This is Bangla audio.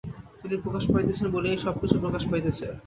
তিনি প্রকাশ পাইতেছেন বলিয়াই সব কিছু প্রকাশ পাইতেছে।